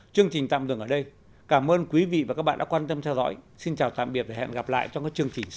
chương trình tạm dừng ở đây cảm ơn quý vị và các bạn đã quan tâm theo dõi xin chào tạm biệt và hẹn gặp lại trong các chương trình sau